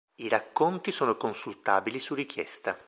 I racconti sono consultabili su richiesta.